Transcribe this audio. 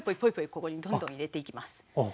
ここにどんどん入れていきます。